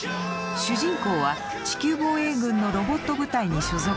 主人公は地球防衛軍のロボット部隊に所属するナツカワハルキ。